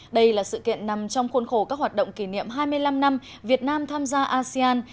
đây là sự kiện nằm trong khuôn khổ các hoạt động kỷ niệm hai mươi năm năm việt nam tham gia asean